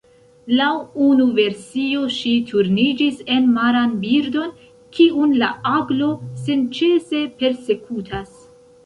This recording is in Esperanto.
Laŭ unu versio ŝi turniĝis en maran birdon, kiun la aglo senĉese persekutas.